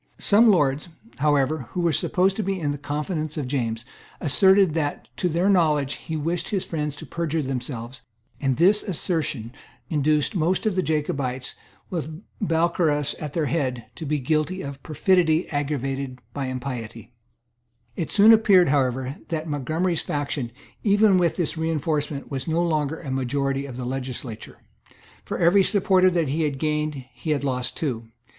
Some Lords, however, who were supposed to be in the confidence of James, asserted that, to their knowledge, he wished his friends to perjure themselves; and this assertion induced most of the Jacobites, with Balcarras at their head, to be guilty of perfidy aggravated by impiety, It soon appeared, however, that Montgomery's faction, even with this reinforcement, was no longer a majority of the legislature. For every supporter that he had gained he had lost two.